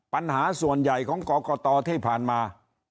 ปัญหาส่วนใหญ่ของกรกตที่ผ่านมา